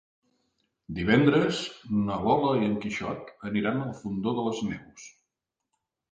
Divendres na Lola i en Quixot aniran al Fondó de les Neus.